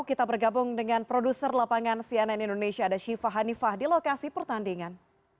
kita bergabung dengan produser lapangan cnn indonesia ada syifa hanifah di lokasi pertandingan